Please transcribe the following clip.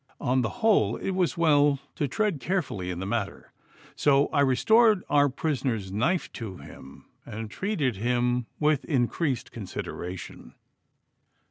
On the whole it was well to tread carefully in the matter, so I restored our prisoner's knife to him, and treated him with increased consideration.